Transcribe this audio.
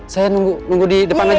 saya nunggu nunggu di depan aja